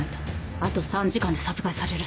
あと３時間で殺害される。